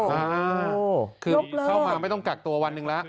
อ่าคือเข้ามาไม่ต้องกักตัววันหนึ่งแล้ว